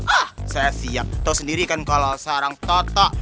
ah saya siap tau sendiri kan kalau sarang toto